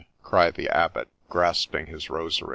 cried the Abbot, grasping his rosary.